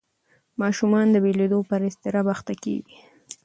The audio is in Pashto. ماشومان د بېلېدو پر اضطراب اخته کېږي.